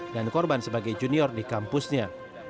dan korban sebagai junior di kampusnya